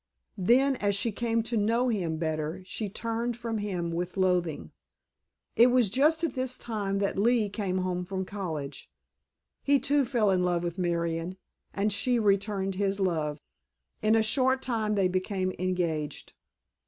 Then as she came to know him better she turned from him with loathing. It was just at this time that Lee came home from college. He too fell in love with Marion, and she returned his love. In a short time they became engaged."